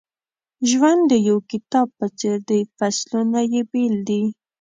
ژوند د یو کتاب په څېر دی فصلونه یې بېل دي.